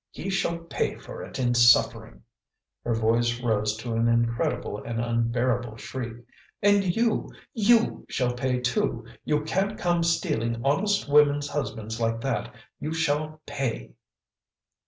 He shall pay for it in suffering " her voice rose to an incredible and unbearable shriek "and you, YOU shall pay, too! You can't come stealing honest women's husbands like that. You shall PAY!"